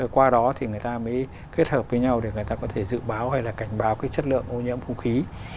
qua đó thì người ta mới kết hợp với nhau để người ta có thể dự báo hay là cảnh báo cái chất lượng ô nhiễm không khí